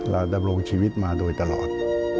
ดำรงชีวิตมาโดยตลอด